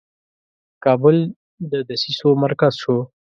کابل د دسیسو مرکز شو.